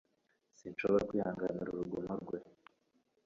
Sinshobora kwihanganira urugomo rwe